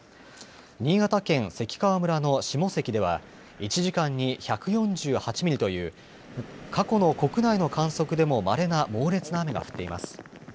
新潟県関川村の下関では１時間に１４８ミリという過去の国内の観測でもまれな猛烈な雨が降っています。